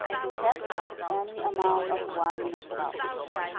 Cats have any amount of wiliness about them.